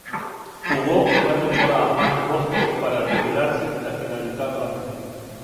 Jugó una temporada más en Boston, para retirarse al finalizar la misma.